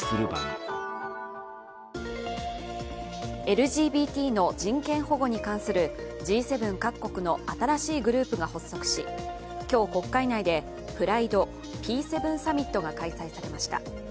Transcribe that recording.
ＬＧＢＴの人権保護に関するＧ７各国の新しいグループが発足し今日、国会内でＰｒｉｄｅ＝Ｐ７サミットが開催されました。